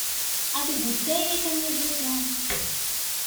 އަދި ހުއްދައީ އެކަންޏެއް ވެސް ނޫން